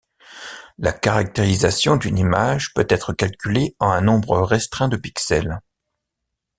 La caractérisation d'une image peut être calculée en un nombre restreint de pixel.